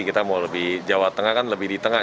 kita mau lebih jawa tengah kan lebih di tengah